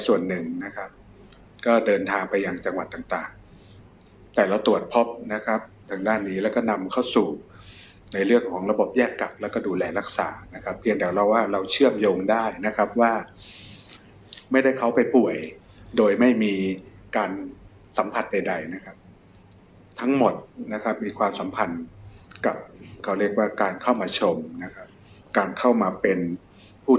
ส่วนหนึ่งนะครับก็เดินทางไปยังจังหวัดต่างแต่เราตรวจพบนะครับทางด้านนี้แล้วก็นำเข้าสู่ในเรื่องของระบบแยกกักแล้วก็ดูแลรักษานะครับเพียงแต่เราว่าเราเชื่อมโยงได้นะครับว่าไม่ได้เขาไปป่วยโดยไม่มีการสัมผัสใดนะครับทั้งหมดนะครับมีความสัมพันธ์กับเขาเรียกว่าการเข้ามาชมนะครับการเข้ามาเป็นผู้